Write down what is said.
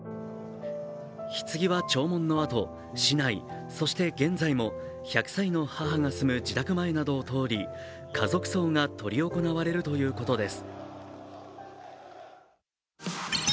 ひつぎは弔問のあと市内、そして現在も１００歳の母が住む自宅前などを通り家族葬が執り行われるということです。